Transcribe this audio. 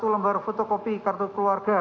satu lembar fotokopi kartu keluarga